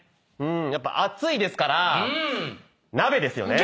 やっぱ暑いですから鍋ですよね。